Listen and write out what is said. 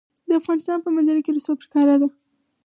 د افغانستان په منظره کې رسوب ښکاره ده.